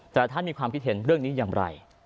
แต่ละท่านมีความคิดเห็นเรื่องนี้อย่างไร